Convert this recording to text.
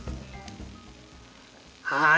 はい。